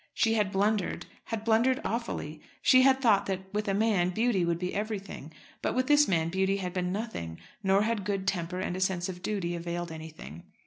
She had blundered, had blundered awfully. She had thought that with a man beauty would be everything; but with this man beauty had been nothing; nor had good temper and a sense of duty availed anything.